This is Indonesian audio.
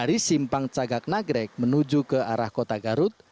dari simpang cagak nagrek menuju ke arah kota garut